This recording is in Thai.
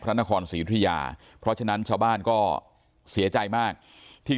นครศรียุธยาเพราะฉะนั้นชาวบ้านก็เสียใจมากที่